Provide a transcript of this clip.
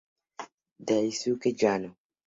Daisuke Yano